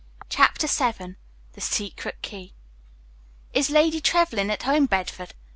Chapter VII THE SECRET KEY "Is Lady Trevlyn at home, Bedford?"